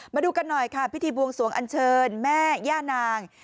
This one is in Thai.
มาดูกันหน่อยค่ะพิธีบวงสวงอันเชิญแม่ย่านาง